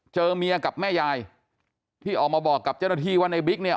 เจอเมียกับแม่ยายที่ออกมาบอกกับเจ้าหน้าที่ว่าในบิ๊กเนี่ย